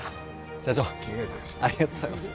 社長ありがとうございます